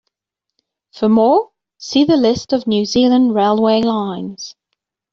For more, see the list of New Zealand railway lines.